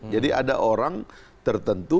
jadi ada orang tertentu